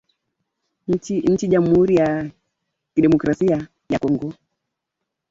nchini jamhuri ya kidemokrasia ya Kongo